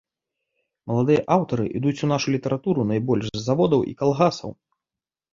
Маладыя аўтары ідуць у нашу літаратуру найбольш з заводаў і калгасаў.